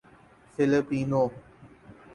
Filipino